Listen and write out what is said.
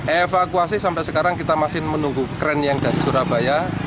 evakuasi sampai sekarang kita masih menunggu kren yang dari surabaya